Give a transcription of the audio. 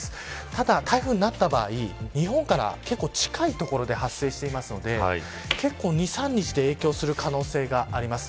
ただ台風になった場合、日本から近い所で発生していますので２、３日で影響する可能性があります。